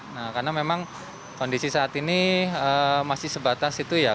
nah karena memang kondisi saat ini masih sebatas itu ya